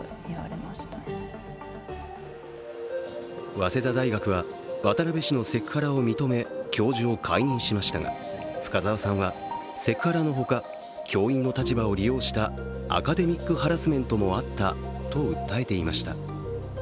早稲田大学は渡部氏のセクハラを認め、教授を解任しましたが深沢さんはセクハラのほか教員の立場を利用したアカデミックハラスメントもあったと訴えていました。